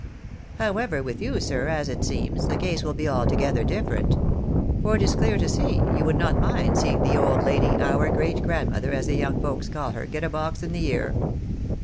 However, with you, sir, as it seems, the case will be altogether different ; for it is clear to see, you would not mind seeing the old lady, our great grandmother, as the young folks call her, get a box in the ear."